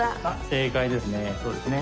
正解ですね